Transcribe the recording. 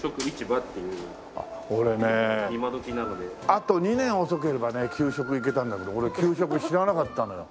あと２年遅ければね給食いけたんだけど俺給食知らなかったのよ。